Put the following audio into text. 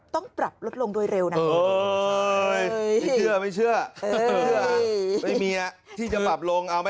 ต้องปรับลดลงด้วยเร็วนะไม่เชื่อไม่มีที่จะปรับลง